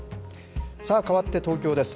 さあ、かわって東京です。